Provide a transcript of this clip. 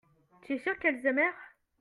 tu es sûr qu'elles aimèrent.